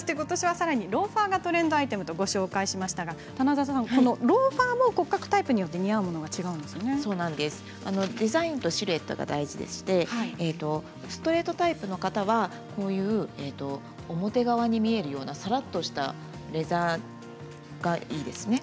さらに、ことしはローファーがトレンドアイテムとご紹介しましたがローファーも骨格タイプによってデザインとシルエットが大事でしてストレートタイプの方は表側に見えるようなさらっとしたレザーがいいですね。